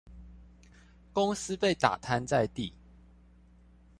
公司被打癱在地